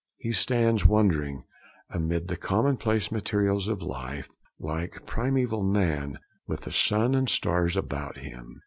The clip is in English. He stands wondering, amid the commonplace materials of life, like primeval man with the sun and stars about him.'